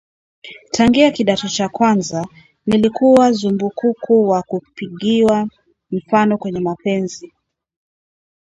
" Tangia kidato cha kwanza, nilikuwa zumbukuku wa kupigiwa mfano kwenye mapenzi"